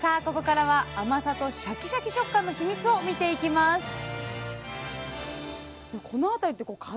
ここからは甘さとシャキシャキ食感のヒミツを見ていきます